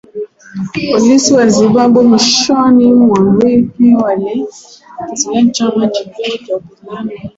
Polisi wa Zimbabwe, mwishoni mwa wiki ,walikizuia chama kikuu cha upinzani nchini humo kufanya mikutano kabla ya uchaguzi wa machi ishirini na sita